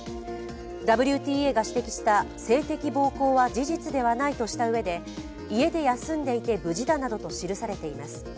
ＷＴＡが指摘した性的暴行は事実ではないとしたうえで家で休んでいて無事だなどと記されています。